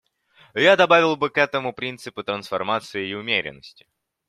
Я добавил бы к этому принципы трансформации и умеренности.